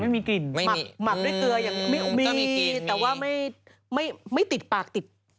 มีแต่ว่าไม่ติดปากติด